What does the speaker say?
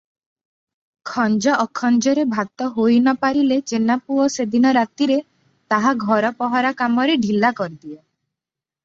ଖଞ୍ଜ ଅଖଞ୍ଜରେ ଭାତ ହେଇନପାରିଲେ ଜେନାପୁଅ ସେଦିନ ରାତିରେ ତାହା ଘର ପହରା କାମରେ ଢିଲା କରିଦିଏ ।